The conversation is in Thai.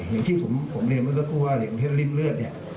อย่างที่ผมเรียนเมื่อสักครู่ว่าเหลียดของเทศริ่มเลือด